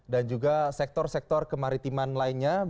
dan juga sektor sektor kemaritiman lainnya